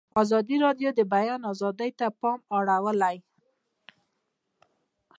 ازادي راډیو د د بیان آزادي ته پام اړولی.